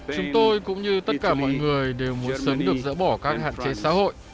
chúng tôi cũng như tất cả mọi người đều muốn sớm được dỡ bỏ các hạn chế xã hội